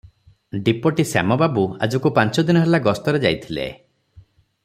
ଡିପୋଟି ଶ୍ୟାମବାବୁ ଆଜକୁ ପାଞ୍ଚଦିନ ହେଲା ଗସ୍ତରେ ଯାଇଥିଲେ ।